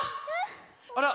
あら！